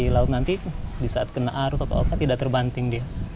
di laut nanti di saat kena arus atau apa tidak terbanting dia